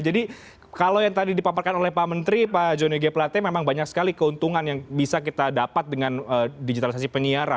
jadi kalau yang tadi dipaparkan oleh pak menteri pak johnny g platte memang banyak sekali keuntungan yang bisa kita dapat dengan digitalisasi penyiaran